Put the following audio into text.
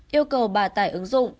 yêu cầu bà tải ứng dụng